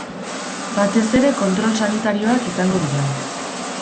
Batez ere kontrol sanitarioak izango dira.